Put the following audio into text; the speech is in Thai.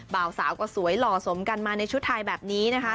เบาสาวก็สวยหล่อสมกันมาในชุดไทยแบบนี้นะคะ